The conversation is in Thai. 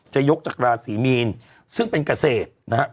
จะยกจากราศีมีนซึ่งเป็นเกษตรนะครับ